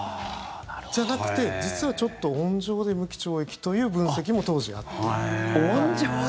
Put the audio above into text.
じゃなくて、実はちょっと温情で無期懲役という分析も当時あって。